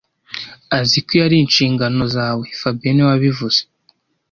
Aziko iyo ari inshingano zawe fabien niwe wabivuze